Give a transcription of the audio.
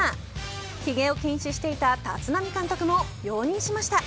ひげを禁止していた立浪監督も容認しました。